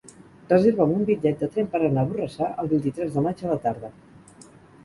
Reserva'm un bitllet de tren per anar a Borrassà el vint-i-tres de maig a la tarda.